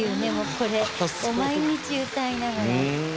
これ毎日歌いながら。